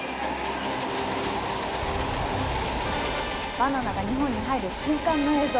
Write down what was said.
バナナが日本に入る瞬間の映像！